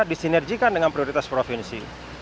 disinerjikan dengan prioritas provinsi